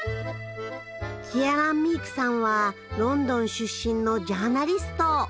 キアラン・ミークさんはロンドン出身のジャーナリスト。